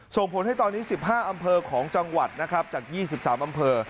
ส่งผลให้ตอนนี้๑๕อำเภอของจังหวัดนะครับจาก๒๓อำเภอ